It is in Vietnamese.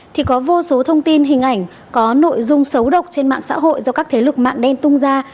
thì có vô số thông tin hình ảnh có nội dung xấu độc trên mạng xã hội do các thế lực mạng đen tung ra